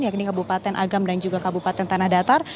yakni kabupaten agam dan juga kabupaten tanah datar